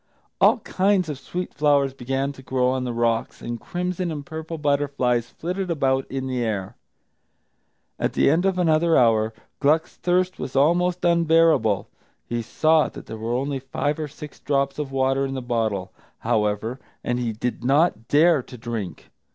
All kinds of sweet flowers began to grow on the rocks, and crimson and purple butterflies flitted about in the air. At the end of another hour, Gluck's thirst was almost unbearable. He saw that there were only five or six drops of water in the bottle, however, and he did not dare to drink.